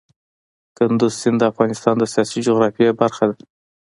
کندز سیند د افغانستان د سیاسي جغرافیه برخه ده.